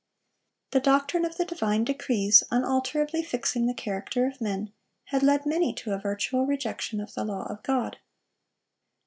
The doctrine of the divine decrees, unalterably fixing the character of men, had led many to a virtual rejection of the law of God.